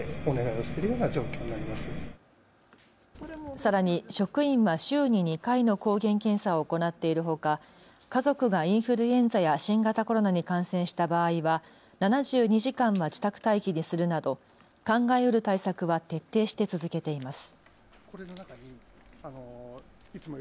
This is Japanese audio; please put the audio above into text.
さらに職員は週に２回の抗原検査を行っているほか家族がインフルエンザや新型コロナに感染した場合は７２時間は自宅待機にするなど考えうる対策は徹底して続けています。